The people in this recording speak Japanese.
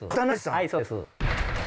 はいそうです。